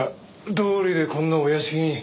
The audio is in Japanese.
どうりでこんなお屋敷に。